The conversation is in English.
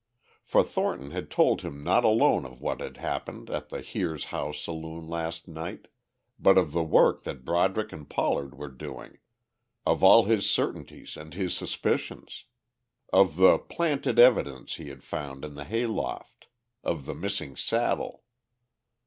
For Thornton had told him not alone of what had happened at the Here's How Saloon last night, but of the work that Broderick and Pollard were doing, of all of his certainties and his suspicions, of the "planted" evidence he had found in the hay loft, of the missing saddle.